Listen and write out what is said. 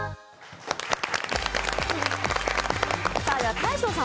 大昇さん